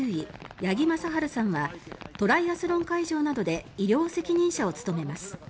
八木正晴さんはトライアスロン会場などで医療責任者を務めます。